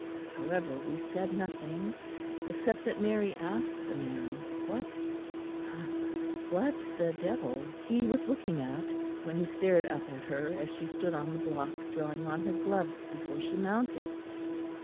However, we said nothing, except that Mary asked a man what what the devil he was looking at, when he stared up at her as she stood on the block drawing on her gloves before she mounted.